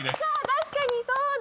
確かにそうだ。